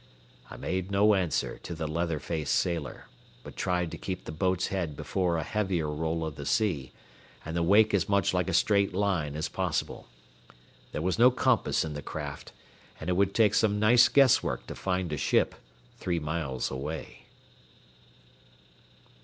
I made no answer to the leather faced sailor, but tried to keep the boat's head before a heavier roll of the sea, and the wake as much like a straight line as possible. There was no compass in the craft, and it would take some nice guesswork to find a ship three miles away.